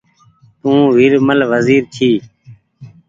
تو ويرمل وزير جي